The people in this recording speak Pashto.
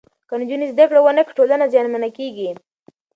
که نجونې زدهکړه ونکړي، ټولنه زیانمنه کېږي.